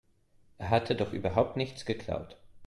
Er hatte doch überhaupt nichts geklaut.